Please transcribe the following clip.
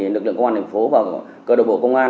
lực lượng công an thành phố và cơ độc bộ công an